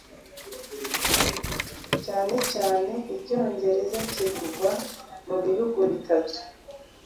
cyane cyane icyongereza kivugwa mu Bihugu bitatu